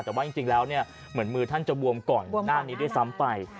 แต่ว่าจริงแล้วเนี่ยเหมือนมือท่านจะบวมก่อนหน้านี้ด้วยซ้ำไป